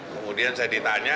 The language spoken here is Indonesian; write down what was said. kemudian saya ditanya